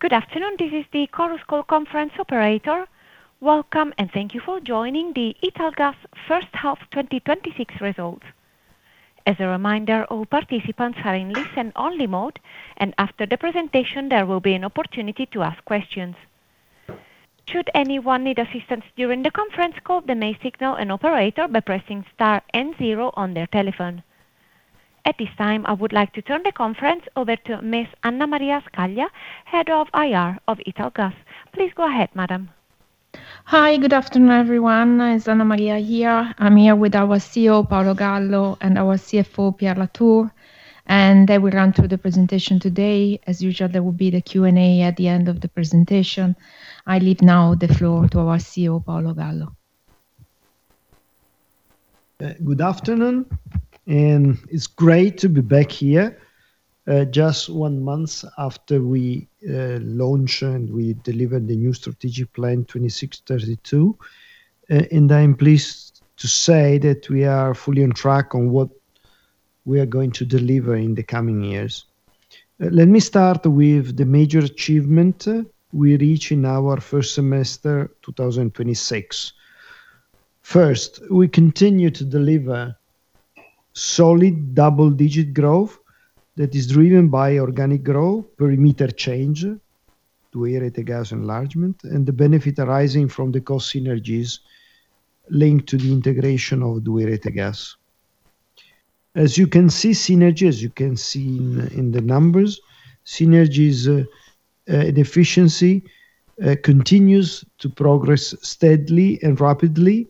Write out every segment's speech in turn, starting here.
Good afternoon. This is the Chorus Call conference operator. Welcome, and thank you for joining the Italgas First Half 2026 Results. As a reminder, all participants are in listen-only mode, after the presentation, there will be an opportunity to ask questions. Should anyone need assistance during the conference call, they may signal an operator by pressing star and zero on their telephone. At this time, I would like to turn the conference over to Miss Anna Maria Scaglia, Head of IR of Italgas. Please go ahead, madam. Hi. Good afternoon, everyone. It's Anna Maria here. I'm here with our CEO, Paolo Gallo, and our CFO, Pierre La Tour, and they will run through the presentation today. As usual, there will be the Q&A at the end of the presentation. I leave now the floor to our CEO, Paolo Gallo. Good afternoon. It's great to be back here just one month after we launched and we delivered the new strategic plan 2026/2032. I am pleased to say that we are fully on track on what we are going to deliver in the coming years. Let me start with the major achievement we reach in our first semester, 2026. First, we continue to deliver solid double-digit growth that is driven by organic growth, perimeter change, 2i Rete Gas enlargement, and the benefit arising from the cost synergies linked to the integration of 2i Rete Gas. As you can see, synergies, you can see in the numbers. Synergies and efficiency continues to progress steadily and rapidly.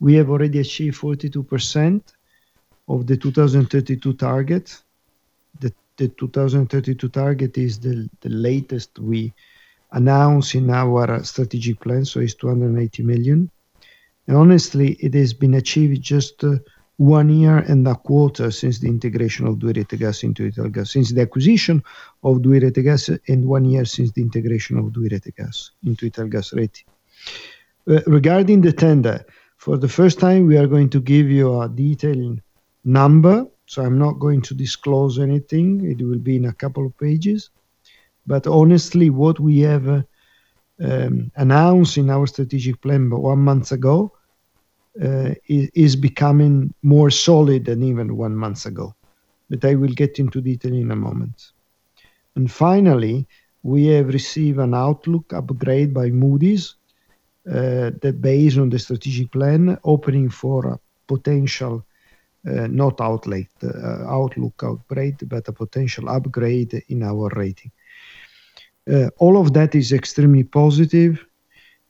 We have already achieved 42% of the 2032 target. The 2032 target is the latest we announced in our strategic plan, it's 280 million. Honestly, it has been achieved just one year and a quarter since the integration of 2i Rete Gas into Italgas, since the acquisition of 2i Rete Gas and one year since the integration of 2i Rete Gas into Italgas rating. Regarding the tender, for the first time, we are going to give you a detailed number. I'm not going to disclose anything. It will be in a couple of pages. Honestly, what we have announced in our strategic plan but one month ago, is becoming more solid than even one month ago. I will get into detail in a moment. Finally, we have received an outlook upgrade by Moody's that based on the strategic plan opening for potential, not outlook upgrade, but a potential upgrade in our rating. All of that is extremely positive,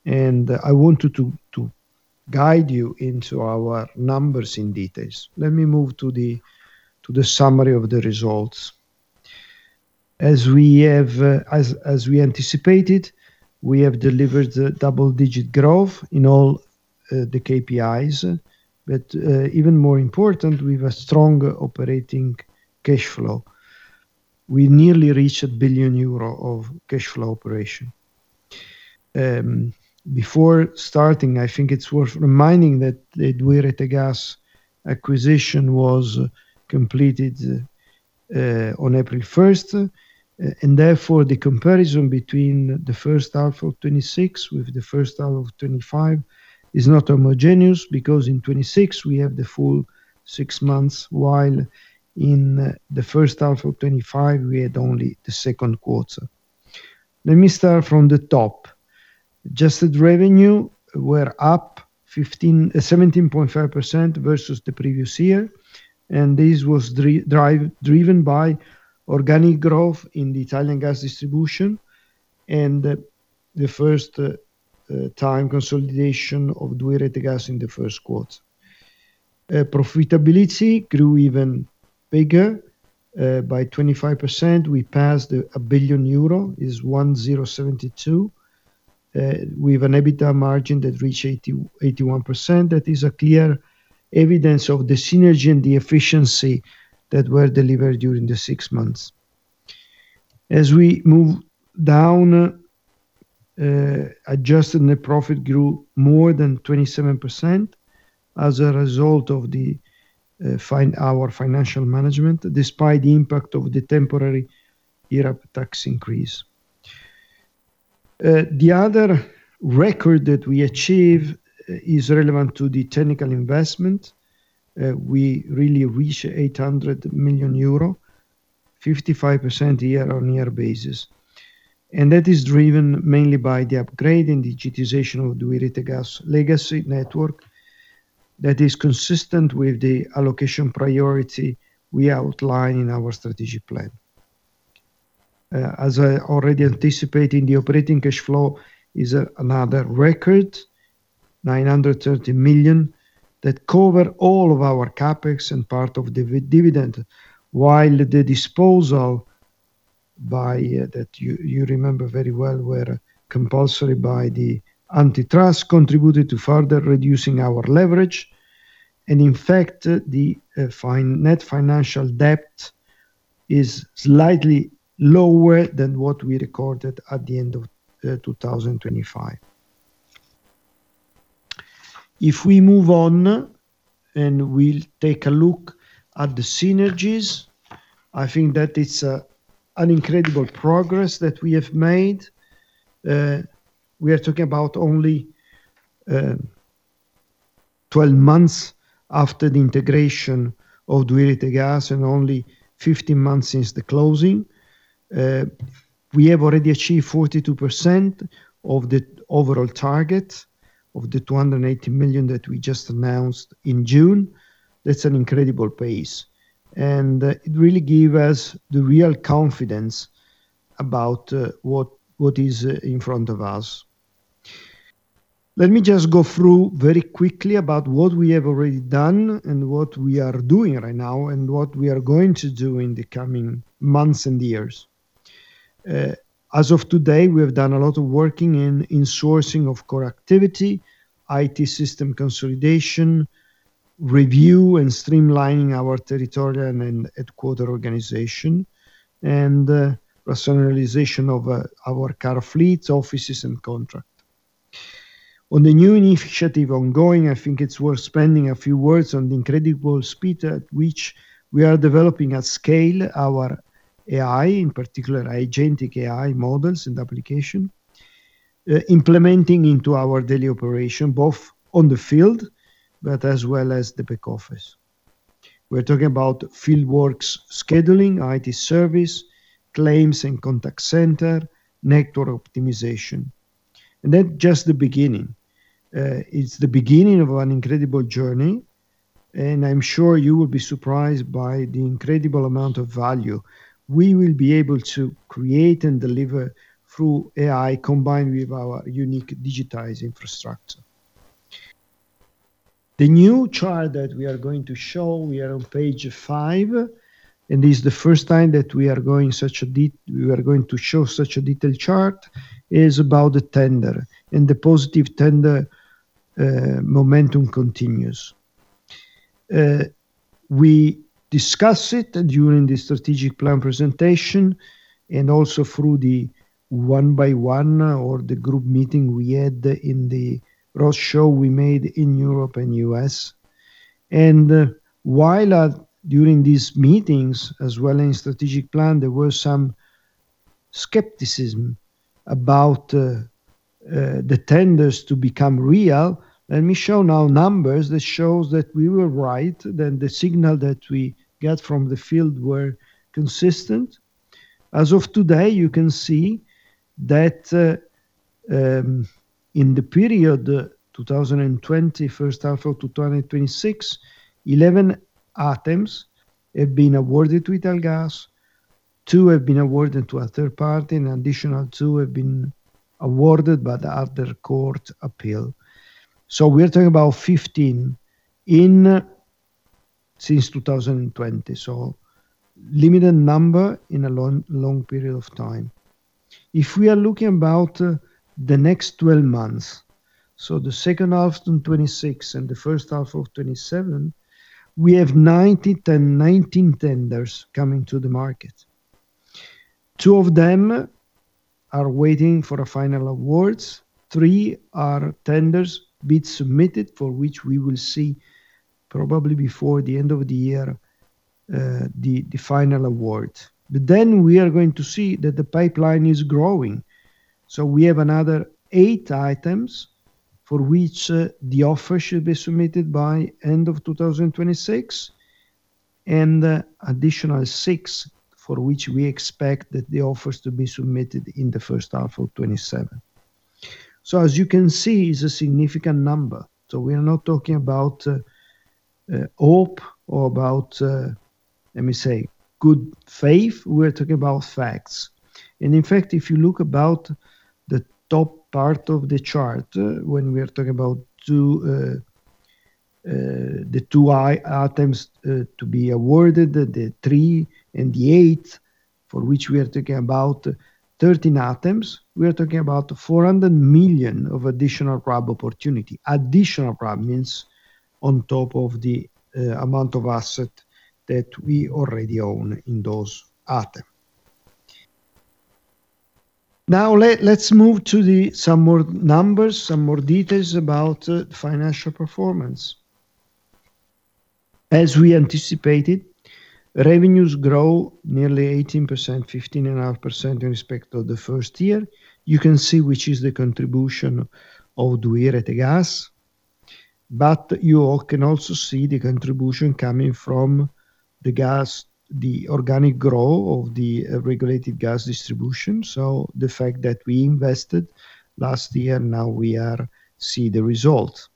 I wanted to guide you into our numbers in details. Let me move to the summary of the results. As we anticipated, we have delivered double-digit growth in all the KPIs. Even more important, with a strong operating cash flow. We nearly reached 1 billion euro of cash flow operation. Before starting, I think it's worth reminding that the 2i Rete Gas acquisition was completed on April 1st. Therefore, the comparison between the first half of 2026 with the first half of 2025 is not homogeneous because in 2026, we have the full six months, while in the first half of 2025, we had only the second quarter. Let me start from the top. Adjusted revenue were up 17.5% versus the previous year, and this was driven by organic growth in the Italian gas distribution and the first time consolidation of 2i Rete Gas in the first quarter. Profitability grew even bigger by 25%. We passed 1 billion euro. It's 1,072, with an EBITDA margin that reached 81%. That is a clear evidence of the synergy and the efficiency that were delivered during the six months. As we move down, adjusted net profit grew more than 27% as a result of our financial management, despite the impact of the temporary IRAP tax increase. The other record that we achieve is relevant to the technical investment. We really reach 800 million euro, 55% year-on-year basis. That is driven mainly by the upgrade and digitization of 2i Rete Gas legacy network that is consistent with the allocation priority we outline in our strategic plan. As I already anticipating, the operating cash flow is another record, 930 million, that cover all of our CapEx and part of dividend, while the disposal that you remember very well were compulsory by the antitrust, contributed to further reducing our leverage. In fact, the net financial debt is slightly lower than what we recorded at the end of 2025. If we move on and we'll take a look at the synergies, I think that it's an incredible progress that we have made. We are talking about only 12 months after the integration of 2i Rete Gas and only 15 months since the closing. We have already achieved 42% of the overall target of the 280 million that we just announced in June. That's an incredible pace, and it really give us the real confidence about what is in front of us. Let me just go through very quickly about what we have already done and what we are doing right now and what we are going to do in the coming months and years. As of today, we have done a lot of working in sourcing of core activity, IT system consolidation, review and streamlining our territorial and headquarter organization, and rationalization of our car fleets, offices, and contract. On the new initiative ongoing, I think it's worth spending a few words on the incredible speed at which we are developing at scale our AI, in particular Agentic AI models and application, implementing into our daily operation, both on the field, but as well as the back office. We are talking about field works scheduling, IT service, claims and contact center, network optimization. That just the beginning. It's the beginning of an incredible journey, and I'm sure you will be surprised by the incredible amount of value we will be able to create and deliver through AI combined with our unique digitized infrastructure. The new chart that we are going to show, we are on page five. This is the first time that we are going to show such a detailed chart, is about the tender. The positive tender momentum continues. We discuss it during the strategic plan presentation and also through the one by one or the group meeting we had in the road show we made in Europe and U.S. While during these meetings, as well in strategic plan, there were some skepticism about the tenders to become real. Let me show now numbers that shows that we were right, that the signal that we get from the field were consistent. As of today, you can see that in the period 2020-first half of 2026, 11 items have been awarded to Italgas, two have been awarded to a third party, and additional two have been awarded, but after court appeal. We are talking about 15 since 2020, so limited number in a long period of time. If we are looking about the next 12 months, the second half of 2026 and the first half of 2027, we have 19 tenders coming to the market. Two of them are waiting for a final awards. Three are tenders bid submitted for which we will see probably before the end of the year, the final awards. We are going to see that the pipeline is growing. We have another eight items for which the offer should be submitted by end of 2026, and additional six for which we expect that the offers to be submitted in the first half of 2027. As you can see, it's a significant number. We are not talking about hope or about, let me say, good faith. We are talking about facts. In fact, if you look about the top part of the chart, when we are talking about the two items to be awarded, the three and the eight, for which we are talking about 13 items, we are talking about 400 million of additional RAB opportunity. Additional RAB means on top of the amount of asset that we already own in those item. Let's move to some more numbers, some more details about financial performance. As we anticipated, revenues grow nearly 18%, 15.5% in respect of the first year. You can see which is the contribution of 2i Rete Gas, but you all can also see the contribution coming from the organic growth of the regulated gas distribution. The fact that we invested last year, now we are see the result.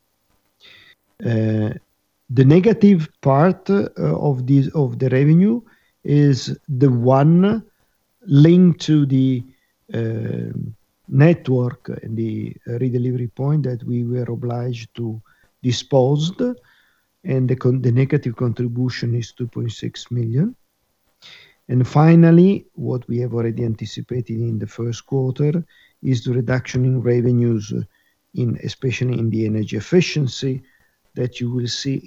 The negative part of the revenue is the one linked to the network and the redelivery point that we were obliged to disposed. The negative contribution is 2.6 million. Finally, what we have already anticipated in the first quarter is the reduction in revenues, especially in the energy efficiency that you will see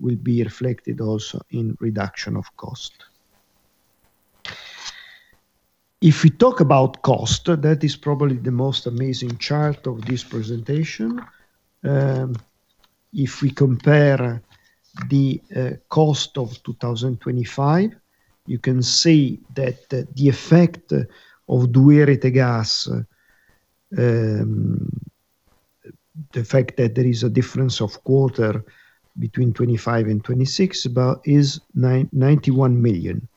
will be reflected also in reduction of cost. If we talk about cost, that is probably the most amazing chart of this presentation. If we compare the cost of 2025, you can see that the effect of 2i Rete Gas, the fact that there is a difference of quarter between 2025 and 2026, is 91 million.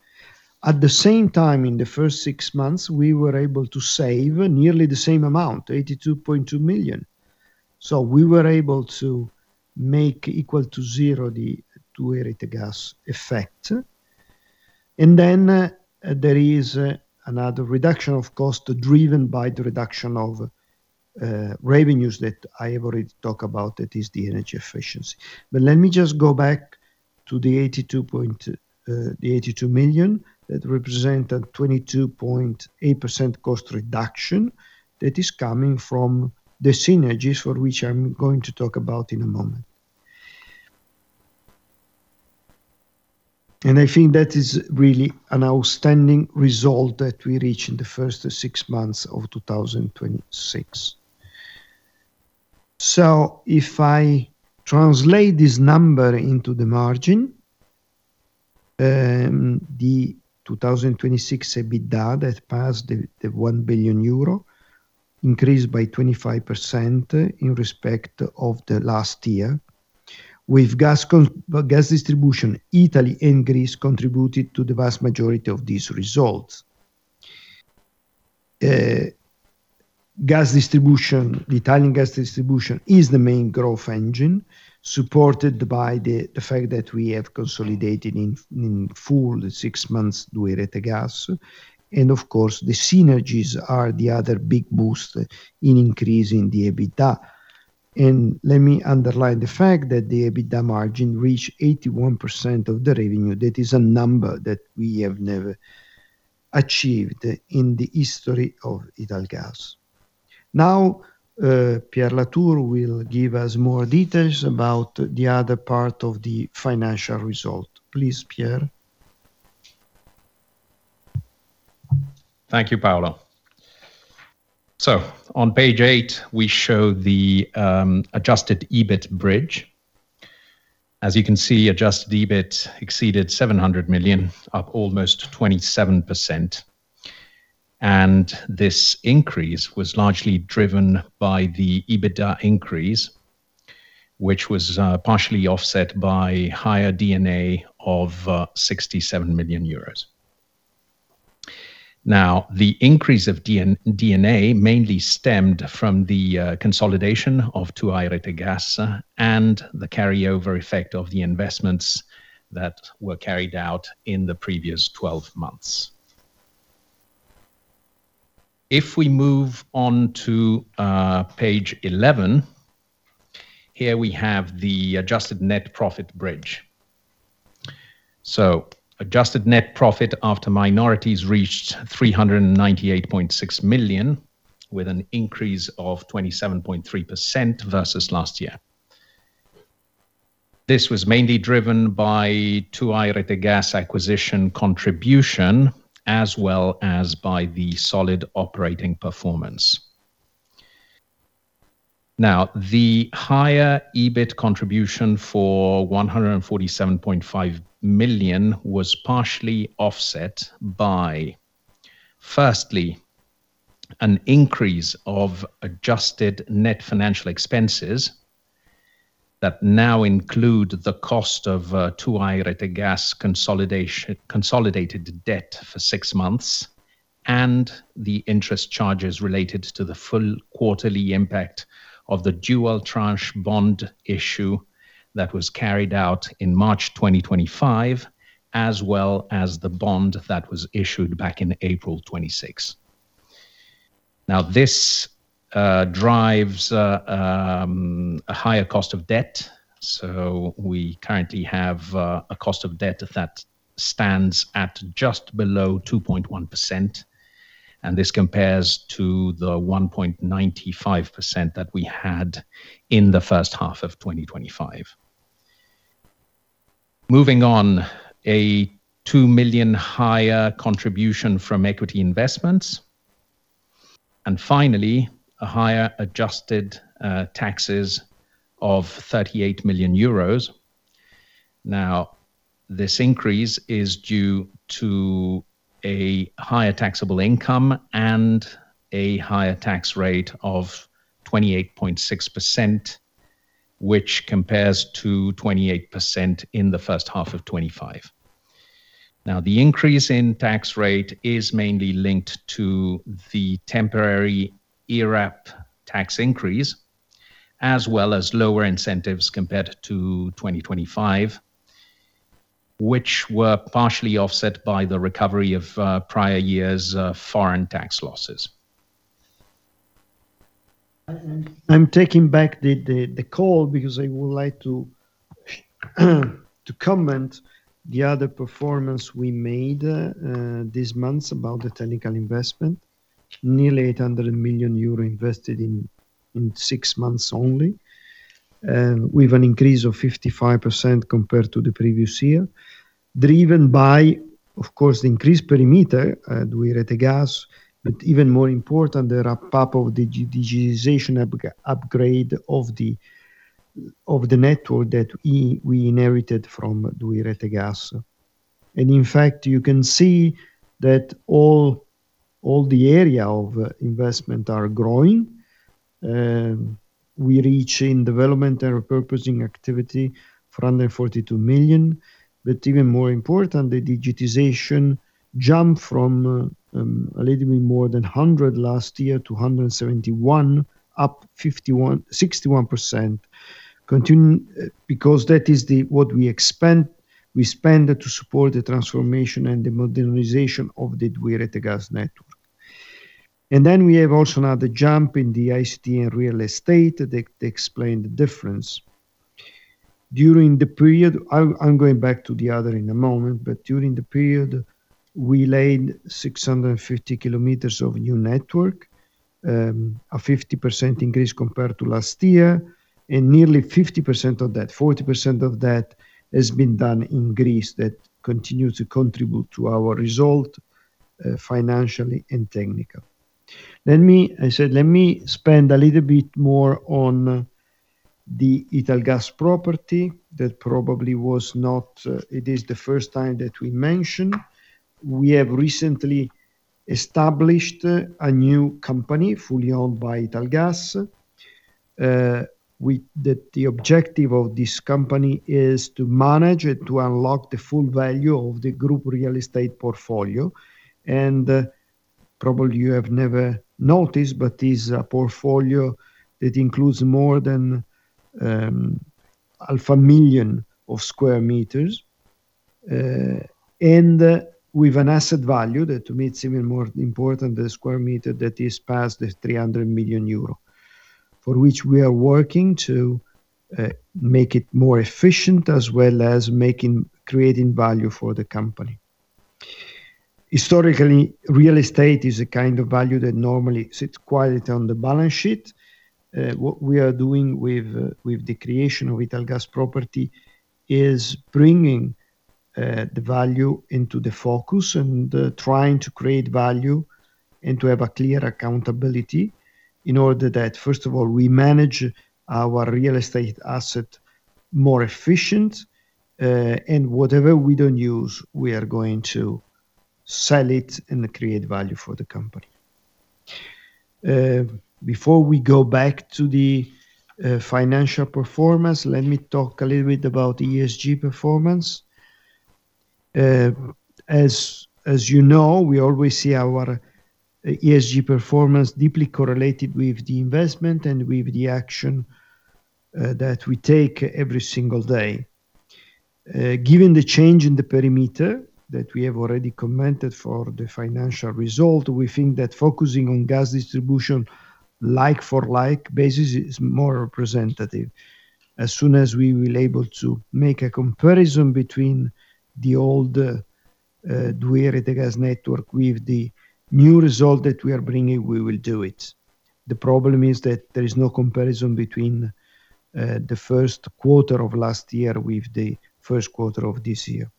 At the same time, in the first six months, we were able to save nearly the same amount, 82.2 million. We were able to make equal to zero the 2i Rete Gas effect. There is another reduction of cost driven by the reduction of revenues that I already talked about. That is the energy efficiency. Let me just go back to the EUR 82 million. That represents a 22.8% cost reduction that is coming from the synergies for which I am going to talk about in a moment. I think that is really an outstanding result that we reached in the first six months of 2026. If I translate this number into the margin, the 2026 EBITDA that passed 1 billion euro, increased by 25% in respect of last year, with gas distribution, Italy and Greece contributed to the vast majority of these results. The Italian gas distribution is the main growth engine, supported by the fact that we have consolidated in full six months 2i Rete Gas. Of course, the synergies are the other big boost in increasing the EBITDA. Let me underline the fact that the EBITDA margin reached 81% of the revenue. That is a number that we have never achieved in the history of Italgas. Now, Pierre La Tour will give us more details about the other part of the financial result. Please, Pierre. Thank you, Paolo. On page eight, we show the adjusted EBIT bridge. As you can see, adjusted EBIT exceeded 700 million, up almost 27%. This increase was largely driven by the EBITDA increase, which was partially offset by higher D&A of EUR 67 million. The increase of D&A mainly stemmed from the consolidation of 2i Rete Gas and the carryover effect of the investments that were carried out in the previous 12 months. If we move on to page 11, here we have the adjusted net profit bridge. Adjusted net profit after minorities reached 398.6 million, with an increase of 27.3% versus last year. This was mainly driven by 2i Rete Gas acquisition contribution, as well as by the solid operating performance. The higher EBIT contribution for 147.5 million was partially offset by, firstly, an increase of adjusted net financial expenses that now include the cost of 2i Rete Gas consolidated debt for six months and the interest charges related to the full quarterly impact of the dual tranche bond issue that was carried out in March 2025, as well as the bond that was issued back in April 2026. This drives a higher cost of debt. We currently have a cost of debt that stands at just below 2.1%, and this compares to the 1.95% that we had in the first half of 2025. Moving on, a 2 million higher contribution from equity investments. Finally, a higher adjusted taxes of 38 million euros. This increase is due to a higher taxable income and a higher tax rate of 28.6%, which compares to 28% in the first half of 2025. The increase in tax rate is mainly linked to the temporary IRAP tax increase, as well as lower incentives compared to 2025, which were partially offset by the recovery of prior year's foreign tax losses. I'm taking back the call because I would like to comment the other performance we made, this month about the technical investment. Nearly 800 million euro invested in six months only, with an increase of 55% compared to the previous year, driven by, of course, the increased perimeter at 2i Rete Gas, but even more important, the ramp-up of the digitization upgrade of the network that we inherited from 2i Rete Gas. In fact, you can see that all the area of investment are growing. We reach in development and repurposing activity 442 million. Even more important, the digitization jumped from a little bit more than 100 last year to 171, up 61%, because that is what we spend to support the transformation and the modernization of the 2i Rete Gas network. We have also now the jump in the ICT and real estate that explain the difference. During the period, I'm going back to the other in a moment, but during the period, we laid 650 km of new network, a 50% increase compared to last year, and nearly 40% of that, has been done in Greece. That continues to contribute to our result, financially and technical. Let me spend a little bit more on the Italgas Properties that probably was not. It is the first time that we mention. We have recently established a new company fully owned by Italgas. The objective of this company is to manage and to unlock the full value of the group real estate portfolio. Probably you have never noticed, but this is a portfolio that includes more than half a million square meters, and with an asset value that to me is even more important, the square meter that is past 300 million euro, for which we are working to make it more efficient as well as creating value for the company. Historically, real estate is a kind of value that normally sits quietly on the balance sheet. What we are doing with the creation of Italgas Properties is bringing the value into the focus and trying to create value and to have a clear accountability in order that, first of all, we manage our real estate asset more efficient, and whatever we don't use, we are going to sell it and create value for the company. Before we go back to the financial performance, let me talk a little bit about ESG performance. As you know, we always see our ESG performance deeply correlated with the investment and with the action that we take every single day. Given the change in the perimeter that we have already commented for the financial result, we think that focusing on gas distribution like for like basis is more representative. As soon as we will able to make a comparison between the old 2i Rete Gas network with the new result that we are bringing, we will do it. The problem is that there is no comparison between the first quarter of last year with the first quarter of this year.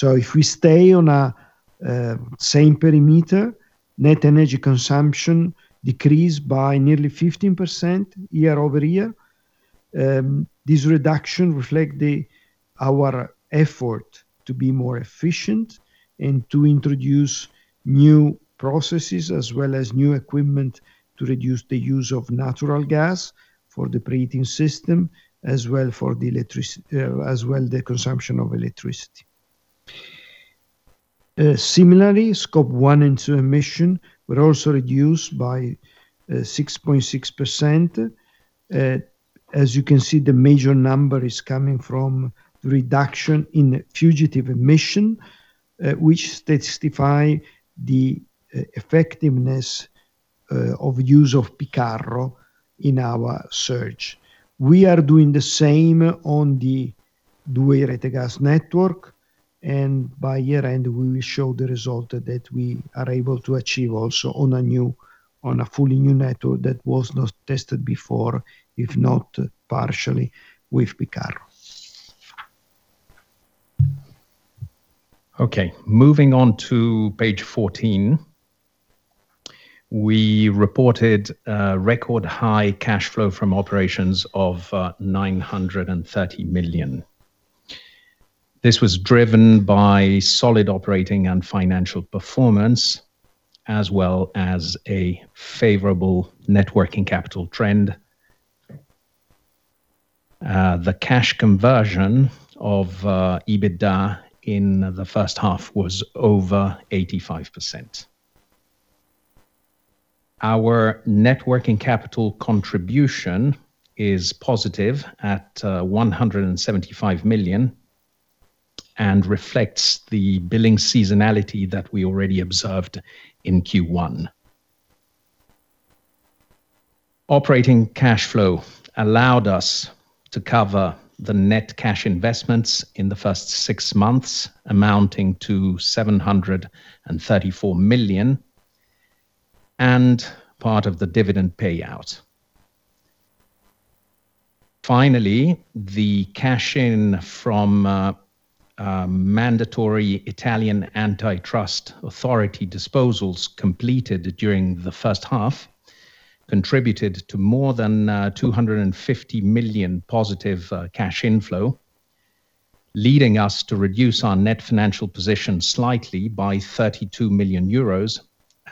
If we stay on a same perimeter, net energy consumption decreased by nearly 15% year-over-year. This reduction reflect our effort to be more efficient and to introduce new processes as well as new equipment to reduce the use of natural gas for the pre-heating system as well the consumption of electricity. Similarly, Scope 1 and 2 emission were also reduced by 6.6%. As you can see, the major number is coming from reduction in fugitive emission, which testify the effectiveness of use of Picarro in our search. We are doing the same on the 2i Rete Gas network, and by year-end, we will show the result that we are able to achieve also on a fully new network that was not tested before, if not partially with Picarro. Okay, moving on to page 14. We reported a record high cash flow from operations of 930 million. This was driven by solid operating and financial performance, as well as a favorable networking capital trend. The cash conversion of EBITDA in the first half was over 85%. Our networking capital contribution is positive at 175 million and reflects the billing seasonality that we already observed in Q1. Operating cash flow allowed us to cover the net cash investments in the first six months, amounting to 734 million, and part of the dividend payout. Finally, the cash in from mandatory Italian antitrust authority disposals completed during the first half contributed to more than 250 million positive cash inflow, leading us to reduce our net financial position slightly by 32 million euros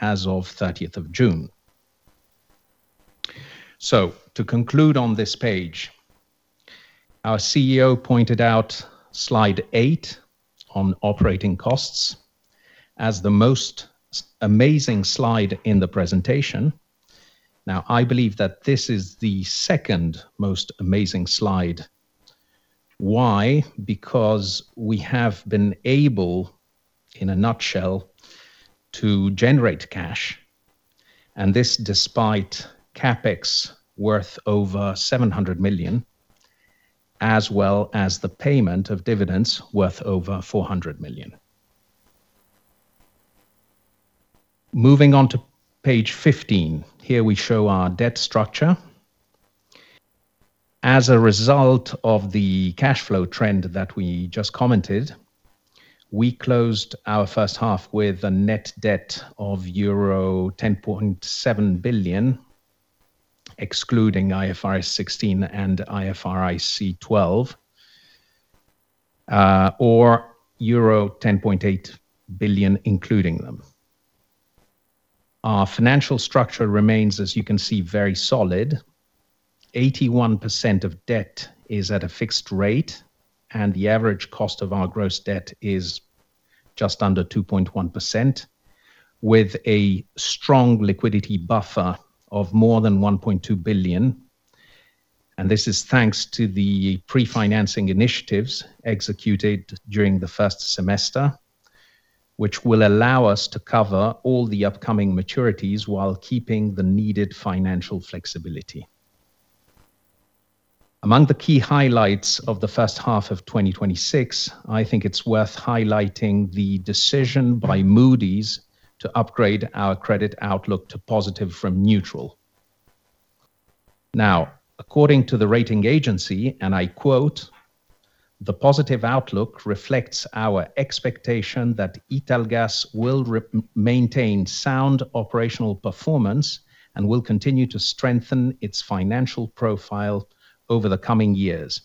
as of 30th of June. To conclude on this page, our CEO pointed out slide eight on operating costs as the most amazing slide in the presentation. Now, I believe that this is the second most amazing slide. Why? Because we have been able, in a nutshell, to generate cash, and this despite CapEx worth over 700 million, as well as the payment of dividends worth over 400 million. Moving on to page 15. Here we show our debt structure. As a result of the cash flow trend that we just commented, we closed our first half with a net debt of euro 10.7 billion, excluding IFRS 16 and IFRIC 12, or euro 10.8 billion including them. Our financial structure remains, as you can see, very solid. 81% of debt is at a fixed rate, the average cost of our gross debt is just under 2.1%, with a strong liquidity buffer of more than 1.2 billion. This is thanks to the pre-financing initiatives executed during the first semester, which will allow us to cover all the upcoming maturities while keeping the needed financial flexibility. Among the key highlights of the first half of 2026, I think it's worth highlighting the decision by Moody's to upgrade our credit outlook to positive from neutral. According to the rating agency, and I quote, "The positive outlook reflects our expectation that Italgas will maintain sound operational performance and will continue to strengthen its financial profile over the coming years,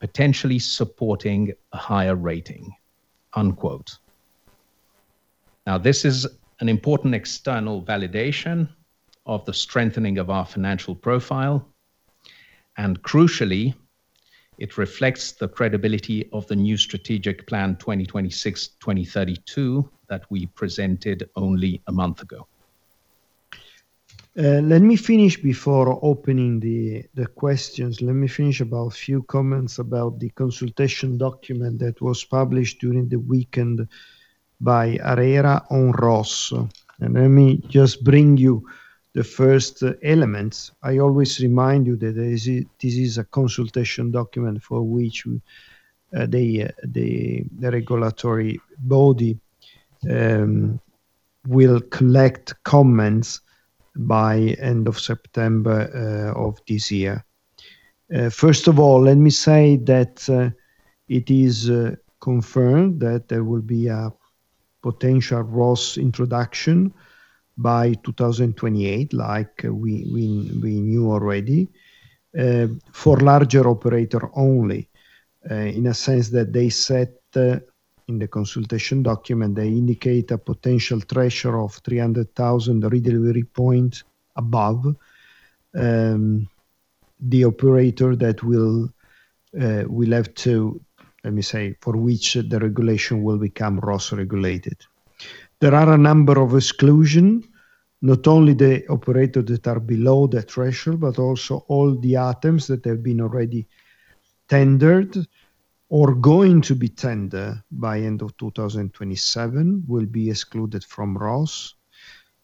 potentially supporting a higher rating." This is an important external validation of the strengthening of our financial profile, and crucially, it reflects the credibility of the new strategic plan 2026/2032 that we presented only a month ago. Let me finish before opening the questions. Let me finish about a few comments about the consultation document that was published during the weekend by ARERA on ROSS. Let me just bring you the first elements. I always remind you that this is a consultation document for which the regulatory body will collect comments by end of September of this year. First of all, let me say that it is confirmed that there will be a potential ROSS introduction by 2028, like we knew already, for larger operator only, in a sense that they said in the consultation document, they indicate a potential threshold of 300,000 redelivery point above the operator that will have to for which the regulation will become ROSS regulated. There are a number of exclusion, not only the operator that are below the threshold, but also all the items that have been already tendered or going to be tendered by end of 2027 will be excluded from ROSS.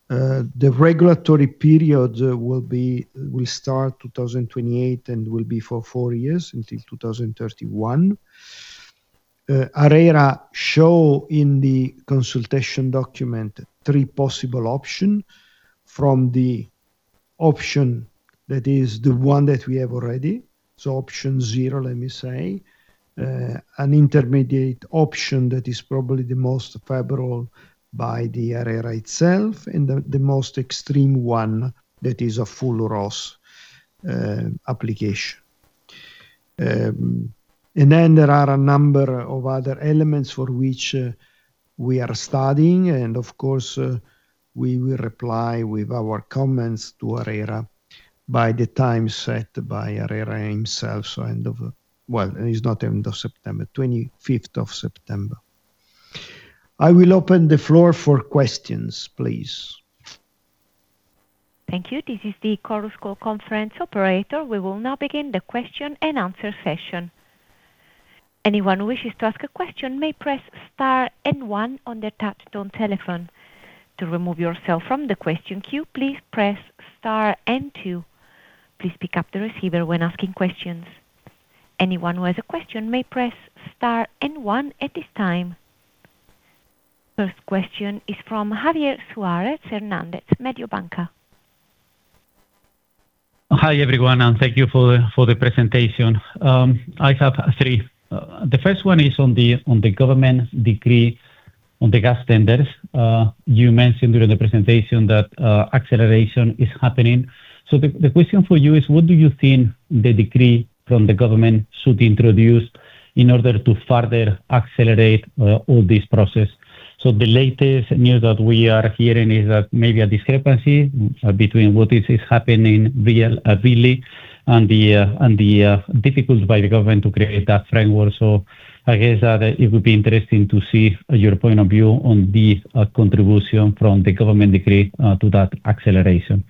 The regulatory period will start 2028 and will be for four years until 2031. ARERA show in the consultation document three possible option from the option that is the one that we have already. Option zero, let me say, an intermediate option that is probably the most favorable by the ARERA itself and the most extreme one that is a full ROSS application. Then there are a number of other elements for which we are studying, and of course, we will reply with our comments to ARERA by the time set by ARERA himself, so end of September, 25th of September. I will open the floor for questions, please. Thank you. This is the Chorus Call conference operator. We will now begin the question-and-answer session. Anyone who wishes to ask a question may press star and one on their touch-tone telephone. To remove yourself from the question queue, please press star and two. Please pick up the receiver when asking questions. Anyone who has a question may press star and one at this time. First question is from Javier Suárez Hernández, Mediobanca. Hi, everyone. Thank you for the presentation. I have three. The first one is on the government decree on the gas tenders. You mentioned during the presentation that acceleration is happening. The question for you is, what do you think the decree from the government should introduce in order to further accelerate all this process? The latest news that we are hearing is that maybe a discrepancy between what is happening really and the difficult by the government to create that framework. I guess that it would be interesting to see your point of view on this contribution from the government decree to that acceleration.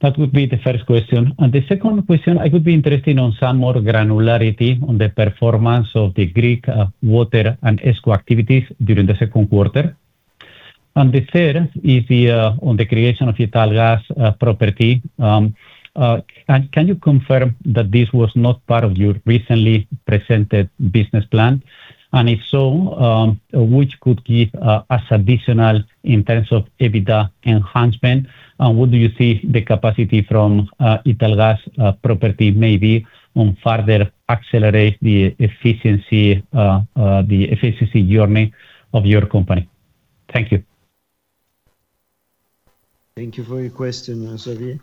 That would be the first question. The second question, I could be interested on some more granularity on the performance of the Greek water and ESCO activities during the second quarter. The third is on the creation of Italgas Properties. Can you confirm that this was not part of your recently presented business plan? If so, which could give us additional in terms of EBITDA enhancement, and what do you see the capacity from Italgas Properties maybe on further accelerate the efficiency journey of your company? Thank you. Thank you for your question, Javier.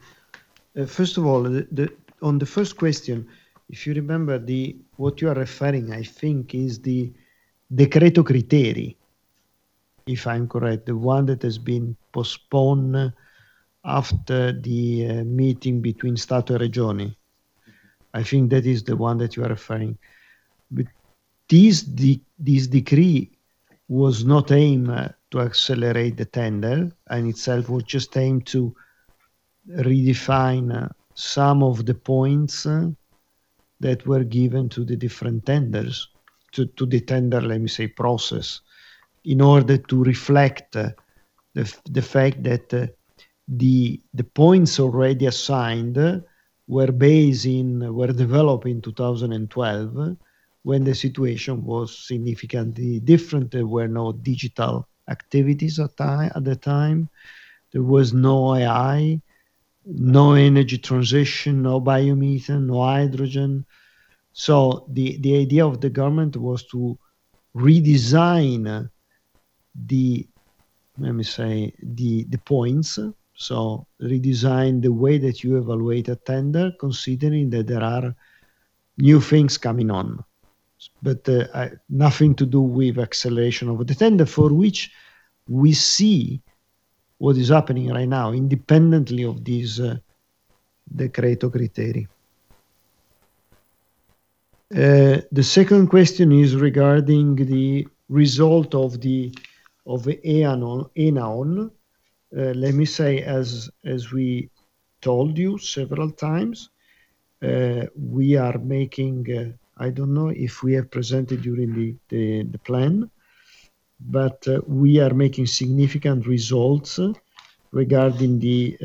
First of all, on the first question, if you remember, what you are referring, I think, is the Decreto Criteri, if I'm correct, the one that has been postponed after the meeting between Stato e Regioni. I think that is the one that you are referring. This decree was not aimed to accelerate the tender itself. It was just aimed to redefine some of the points that were given to the different tenders, to the tender, let me say, process, in order to reflect the fact that the points already assigned were developed in 2012 when the situation was significantly different. There were no digital activities at the time. There was no AI, no energy transition, no biomethane, no hydrogen. The idea of the government was to redesign the, let me say, the points. Redesign the way that you evaluate a tender, considering that there are new things coming on. Nothing to do with acceleration of the tender for which we see what is happening right now, independently of this Decreto Criteri. The second question is regarding the result of Enaon. As we told you several times, we are making, I don't know if we have presented during the plan, but we are making significant results regarding the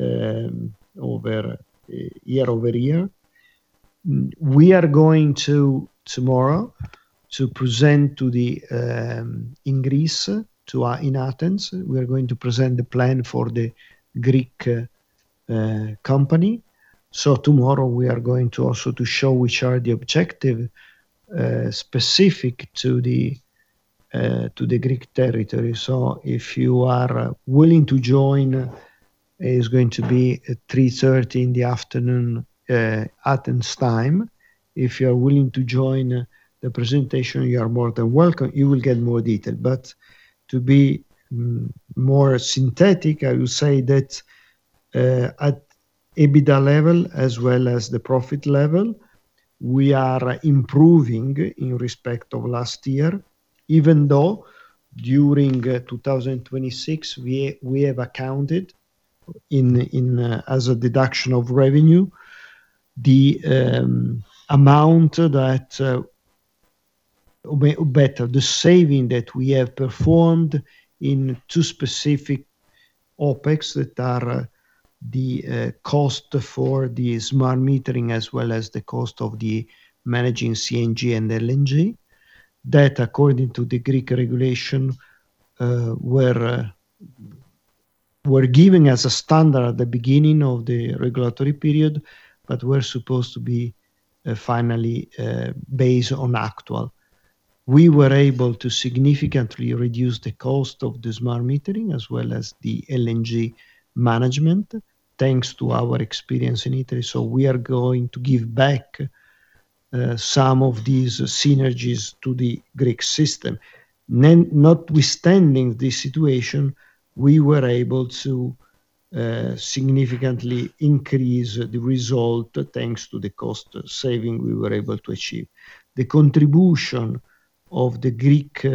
year-over-year. We are going to, tomorrow, to present in Greece, in Athens, we are going to present the plan for the Greek company. Tomorrow we are going to also to show which are the objectives, specific to the Greek territory. If you are willing to join, it's going to be at 3:30 P.M., Athens time. If you are willing to join the presentation, you are more than welcome. You will get more detail. To be more synthetic, I will say that, at EBITDA level as well as the profit level, we are improving in respect of last year, even though during 2026, we have accounted as a deduction of revenue, the amount that, better, the saving that we have performed in two specific OpEx that are the cost for the smart metering as well as the cost of the managing CNG and LNG. That, according to the Greek regulation, were given as a standard at the beginning of the regulatory period, but were supposed to be finally, based on actual. We were able to significantly reduce the cost of the smart metering as well as the LNG management, thanks to our experience in Italy. We are going to give back some of these synergies to the Greek system. Notwithstanding the situation, we were able to significantly increase the result, thanks to the cost saving we were able to achieve. The contribution of the Greek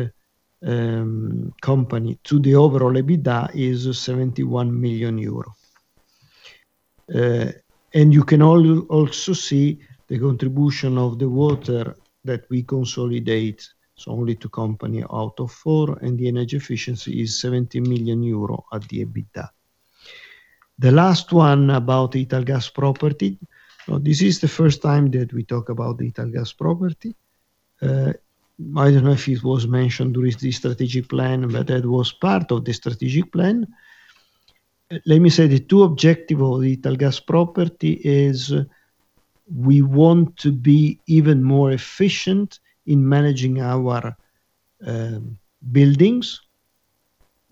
company to the overall EBITDA is 71 million euro. You can also see the contribution of the water that we consolidate. It is only two companies out of four, and the energy efficiency is 70 million euro at the EBITDA. The last one about Italgas Properties. This is the first time that we talk about Italgas Properties. I don't know if it was mentioned with the strategic plan, but that was part of the strategic plan. The two objectives of Italgas Properties is we want to be even more efficient in managing our buildings.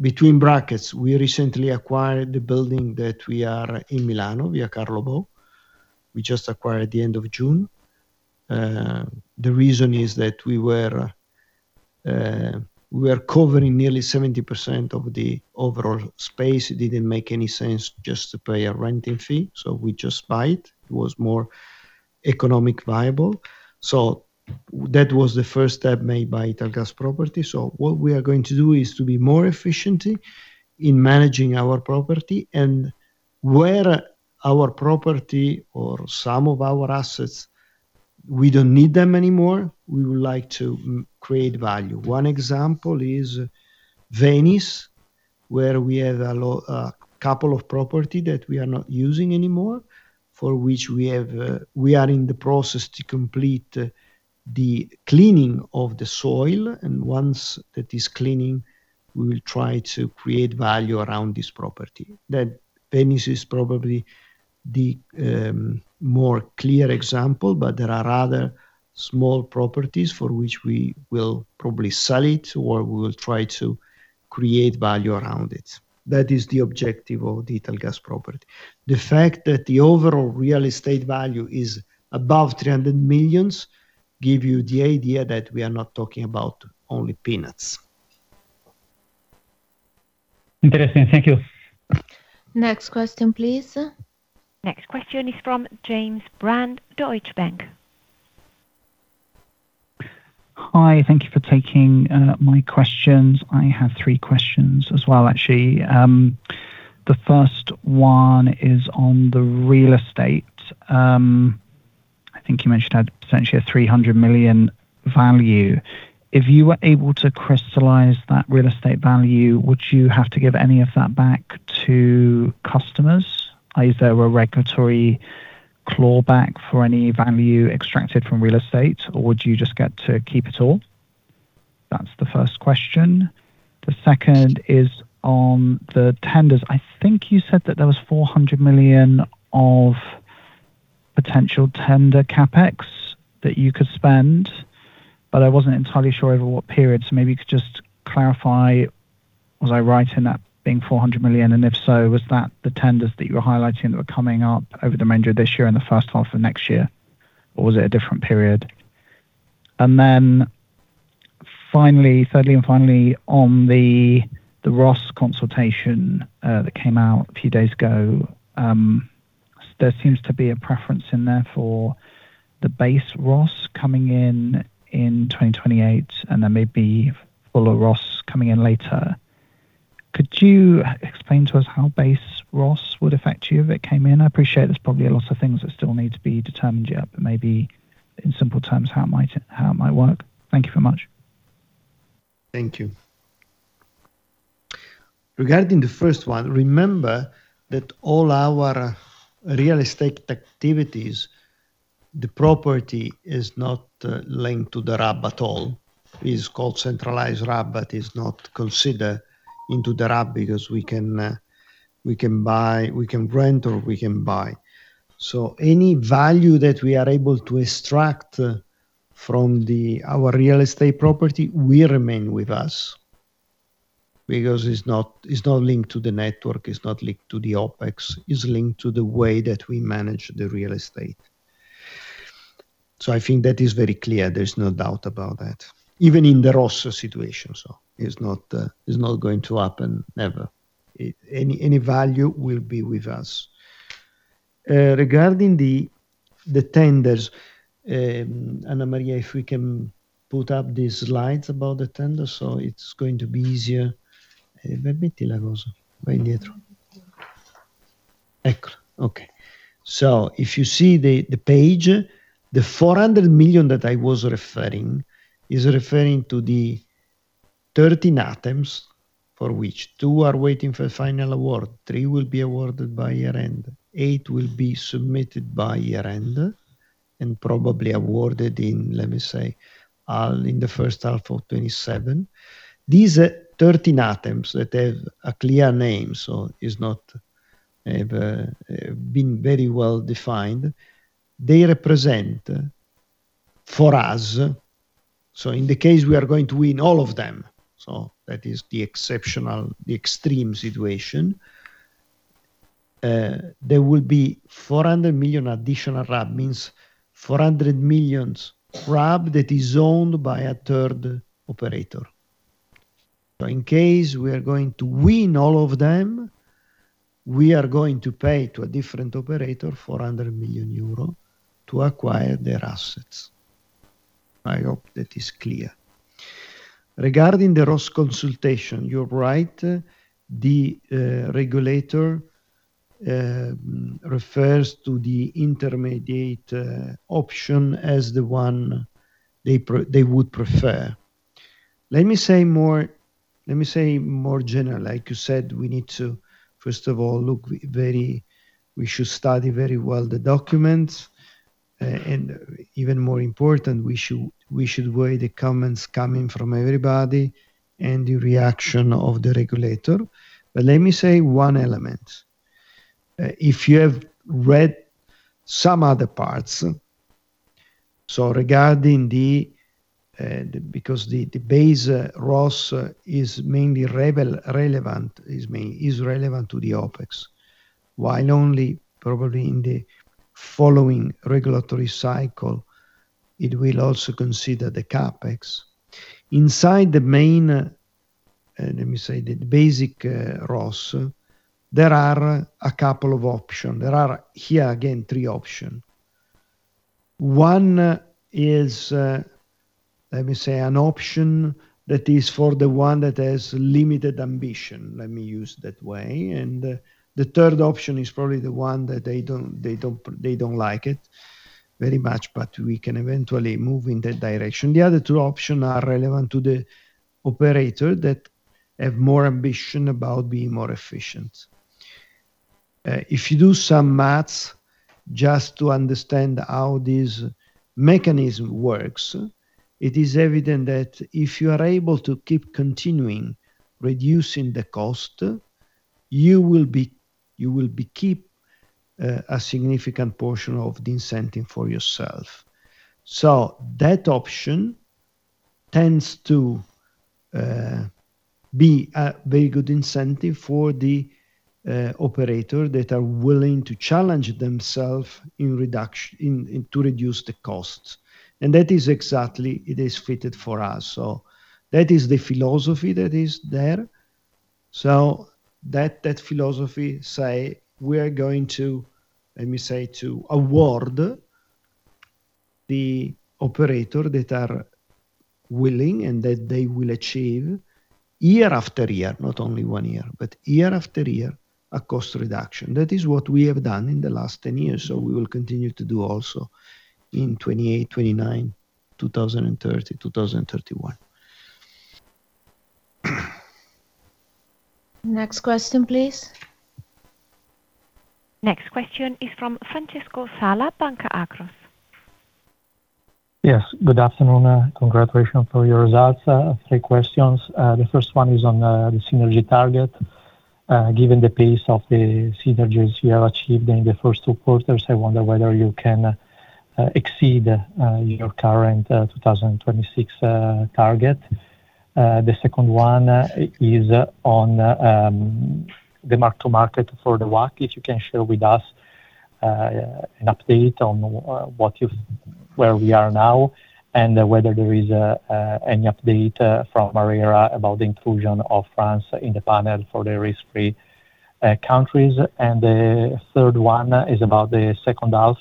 Between brackets, we recently acquired the building that we are in Milan, Via Carlo Bo. We just acquired at the end of June. The reason is that we were covering nearly 70% of the overall space. It didn't make any sense just to pay a renting fee, we just buy it. It was more economic viable. That was the first step made by Italgas Properties. What we are going to do is to be more efficiently in managing our property and where our property or some of our assets, we don't need them anymore, we would like to create value. One example is Venice, where we have a couple of property that we are not using anymore, for which we are in the process to complete the cleaning of the soil, and once that is cleaning, we will try to create value around this property. That Venice is probably the more clear example, there are other small properties for which we will probably sell it or we will try to create value around it. That is the objective of the Italgas Properties. The fact that the overall real estate value is above 300 million give you the idea that we are not talking about only peanuts. Interesting. Thank you. Next question, please. Next question is from James Brand, Deutsche Bank. Hi. Thank you for taking my questions. I have three questions as well, actually. The first one is on the real estate. I think you mentioned essentially a 300 million value. If you were able to crystallize that real estate value, would you have to give any of that back to customers? Is there a regulatory clawback for any value extracted from real estate, or do you just get to keep it all? That's the first question. The second is on the tenders. I think you said that there was 400 million of potential tender CapEx that you could spend, but I wasn't entirely sure over what period. Maybe you could just clarify, was I right in that being 400 million? If so, was that the tenders that you were highlighting that were coming up over the remainder of this year and the first half of next year? Was it a different period? Thirdly and finally, on the ROSS consultation that came out a few days ago, there seems to be a preference in there for the base ROSS coming in in 2028, and there may be fuller ROSS coming in later. Could you explain to us how base ROSS would affect you if it came in? I appreciate there's probably a lot of things that still need to be determined yet, but maybe in simple terms, how it might work. Thank you very much. Thank you. Regarding the first one, remember that all our real estate activities, the property is not linked to the RAB at all. It is called Centralized RAB, but is not considered into the RAB because we can rent or we can buy. Any value that we are able to extract from our real estate property will remain with us, because it's not linked to the network, it's not linked to the OpEx, it's linked to the way that we manage the real estate. I think that is very clear. There's no doubt about that. Even in the ROSS situation. It's not going to happen, never. Any value will be with us. Regarding the tenders, Anna Maria, if we can put up these slides about the tenders, it's going to be easier. Okay. If you see the page, the 400 million that I was referring is referring to the 13 items for which two are waiting for final award, three will be awarded by year-end, eight will be submitted by year-end, and probably awarded in, let me say, in the first half of 2027. These 13 items that have a clear name, it's not been very well defined. They represent for us, in the case we are going to win all of them, that is the exceptional, the extreme situation, there will be 400 million additional RAB, means 400 million RAB that is owned by a third operator. In case we are going to win all of them, we are going to pay to a different operator 400 million euro to acquire their assets. I hope that is clear. Regarding the ROSS consultation, you are right. The regulator refers to the intermediate option as the one they would prefer. Let me say more general. Like you said, we need to, first of all, we should study very well the documents, and even more important, we should weigh the comments coming from everybody and the reaction of the regulator. Let me say one element. If you have read some other parts, Because the base ROSS is relevant to the OpEx, while only probably in the following regulatory cycle, it will also consider the CapEx. Inside the main, let me say, the basic ROSS, there are a couple of options. There are, here again, three options. One is, let me say, an option that is for the one that has limited ambition. Let me use that way. The third option is probably the one that they don't like it very much, but we can eventually move in that direction. The other two option are relevant to the operator that have more ambition about being more efficient. If you do some maths, just to understand how this mechanism works, it is evident that if you are able to keep continuing reducing the cost, you will keep a significant portion of the incentive for yourself. That option tends to be a very good incentive for the operator that are willing to challenge themself to reduce the costs. That is exactly, it is fitted for us. That is the philosophy that is there. That philosophy say we are going to, let me say, to award the operator that are willing and that they will achieve year-after-year, not only one year, but year-after-year, a cost reduction. That is what we have done in the last 10 years, we will continue to do also in 2028, 2029, 2030, 2031. Next question, please. Next question is from Francesco Sala, Banca Akros. Yes, good afternoon. Congratulations for your results. Three questions. The first one is on the synergy target. Given the pace of the synergies you have achieved in the first two quarters, I wonder whether you can exceed your current 2026 target. The second one is on the Mark to market for the WACC, if you can share with us an update on where we are now, and whether there is any update from ARERA about the inclusion of France in the panel for the risk-free countries. The third one is about the second half,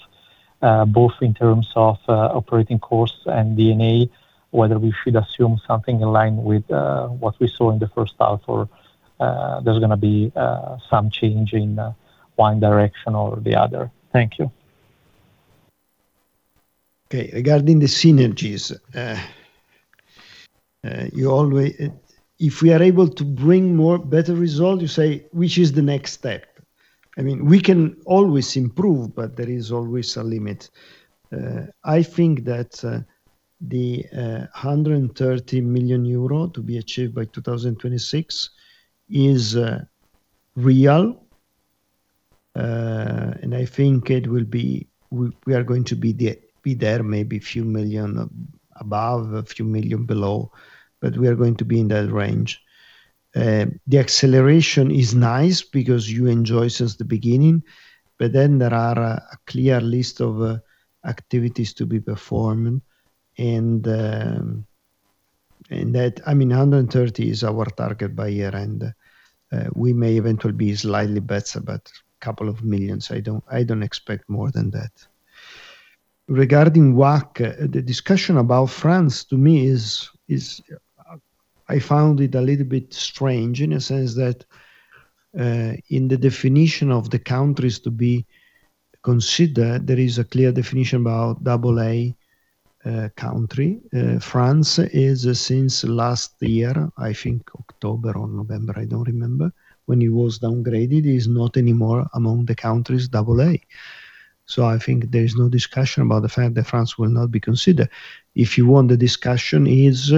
both in terms of operating costs and D&A, whether we should assume something in line with what we saw in the first half or there's going to be some change in one direction or the other. Thank you. Okay, regarding the synergies, if we are able to bring more better result, you say, which is the next step? We can always improve, but there is always a limit. I think that the 130 million euro to be achieved by 2026 is real. I think we are going to be there, maybe a few million above, a few million below, but we are going to be in that range. The acceleration is nice because you enjoy since the beginning, but there are a clear list of activities to be performed, and that 130 million is our target by year-end. We may eventually be slightly better, but couple of millions, I don't expect more than that. Regarding WACC, the discussion about France, to me, I found it a little bit strange in a sense that, in the definition of the countries to be considered, there is a clear definition about AA country. France is, since last year, I think October or November, I don't remember, when it was downgraded, it is not anymore among the countries AA. I think there is no discussion about the fact that France will not be considered. The discussion is,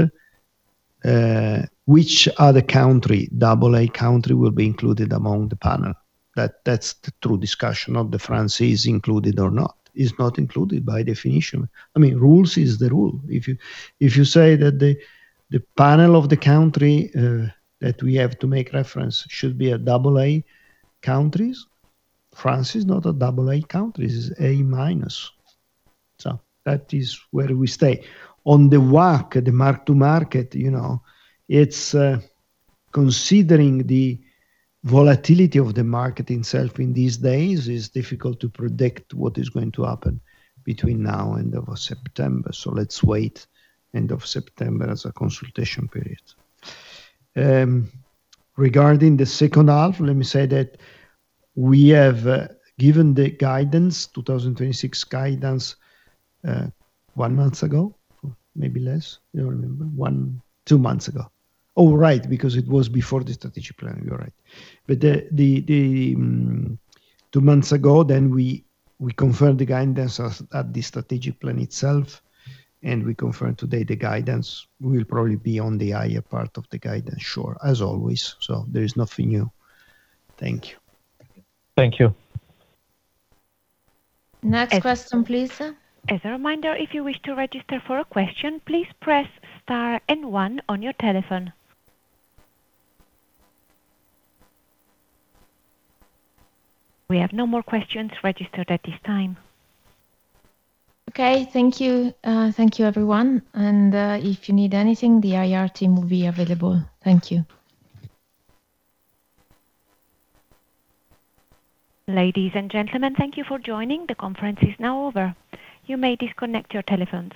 which other country, AA country, will be included among the panel? That's the true discussion, not the France is included or not. It's not included by definition. Rules is the rule. If you say that the panel of the country that we have to make reference should be a AA countries, France is not a AA country. That is where we stay. On the WACC, the mark to market, considering the volatility of the market itself in these days, it's difficult to predict what is going to happen between now and September. Let's wait end of September as a consultation period. Regarding the second half, let me say that we have given the guidance, 2026 guidance, one month ago, maybe less. I don't remember. One, two months ago. Oh, right, because it was before the Strategic Plan. You're right. Two months ago, we confirmed the guidance as at the Strategic Plan itself, and we confirmed today the guidance. We will probably be on the higher part of the guidance, sure, as always. There is nothing new. Thank you. Thank you. Next question, please. As a reminder, if you wish to register for a question, please press star and one on your telephone. We have no more questions registered at this time. Okay, thank you. Thank you, everyone. If you need anything, the IR team will be available. Thank you. Ladies and gentlemen, thank you for joining. The conference is now over. You may disconnect your telephones.